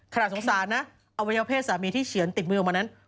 สงสารนะอวัยวเพศสามีที่เฉือนติดมือออกมานั้น